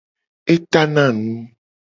E tana nu.